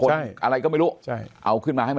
แล้วก็อย่าลืมนะครับ